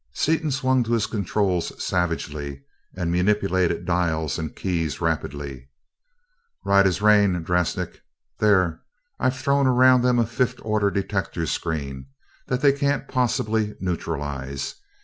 Seaton swung to his controls savagely, and manipulated dials and keys rapidly. "Right as rain, Drasnik. There I've thrown around them a fifth order detector screen, that they can't possibly neutralize.